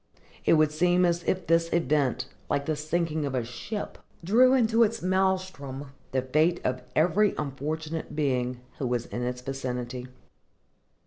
It would seem as if this event, like the sinking of a ship, drew into its maëlstrom the fate of every unfortunate being who was in its vicinity.